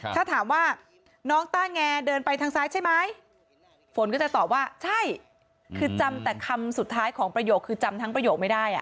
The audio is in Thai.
ถ้าถามว่าน้องต้าแงเดินไปทางซ้ายใช่ไหมฝนก็จะตอบว่าใช่คือจำแต่คำสุดท้ายของประโยคคือจำทั้งประโยคไม่ได้